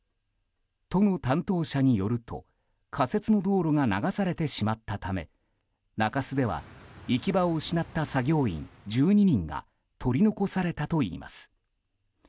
都の担当者によると仮設の道路が流されてしまったため中洲では行き場を失った作業員１２人が取り残されたといいます。